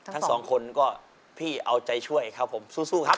ทั้งสองคนก็พี่เอาใจช่วยครับผมสู้ครับ